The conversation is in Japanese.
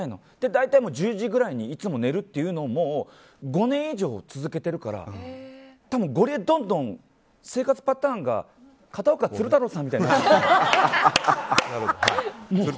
大体１０時ぐらいにいつも寝るっていうのを５年以上続けてるから多分ゴリエどんどん生活パターンが片岡鶴太郎さんみたいになってる。